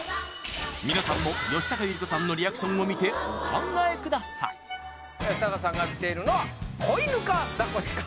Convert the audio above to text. みなさんも吉高由里子さんのリアクションを見てお考えください吉高さんが見ているのは子イヌか？